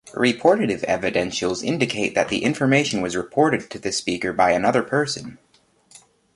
"Reportative" evidentials indicate that the information was reported to the speaker by another person.